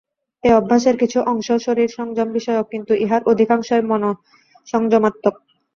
এই অভ্যাসের কিছু অংশ শরীর-সংযম-বিষয়ক, কিন্তু ইহার অধিকাংশই মনঃসংযমাত্মক।